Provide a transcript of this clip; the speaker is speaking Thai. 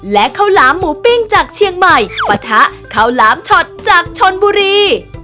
และข้าวหลามหมูปิ้งจากเชียงใหม่ปะทะข้าวหลามช็อตจากชนบุรี